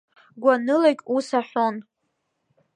Гәанылагь ус аҳәон…